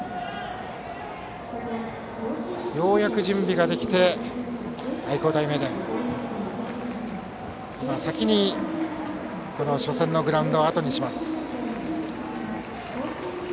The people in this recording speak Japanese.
ようやく準備ができて愛工大名電が先に初戦のグラウンドをあとにします。